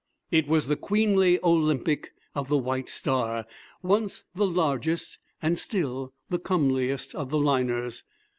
It was the queenly Olympic, of the White Star once the largest and still the comeliest of liners.